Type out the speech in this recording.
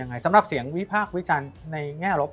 มันทำให้ชีวิตผู้มันไปไม่รอด